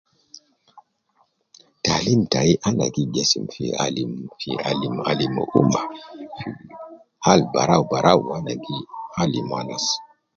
Taalim tai ana gi gesim fi alim ,alim alim fi umma hal barau barau me alim anas